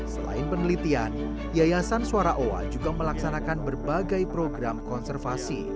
selain penelitian yayasan suara owa juga melaksanakan berbagai program konservasi